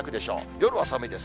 夜は寒いです。